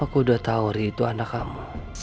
aku udah tau ri itu anak kamu